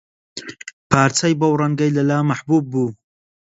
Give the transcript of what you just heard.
پارچەی بەو ڕەنگەی لەلا مەحبووب بوو